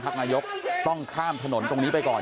นายกต้องข้ามถนนตรงนี้ไปก่อน